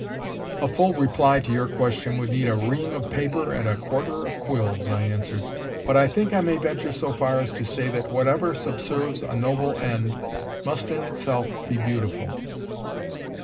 "A full reply to your question would need a ream of paper and a quarter of quills," I answered; "but I think I may venture so far as to say that whatever subserves a noble end must in itself be beautiful."